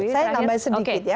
saya tambah sedikit ya